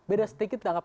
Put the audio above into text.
beda sedikit ditangkap